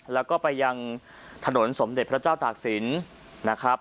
แล้วก็ไปยังถนนสมเด็จพระเจ้าตากศิลป์นะครับ